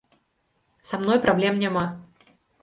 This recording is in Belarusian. Са мной праблем няма.